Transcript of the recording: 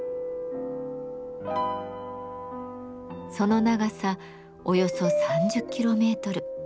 その長さおよそ３０キロメートル。